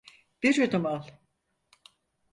Bir yudum al.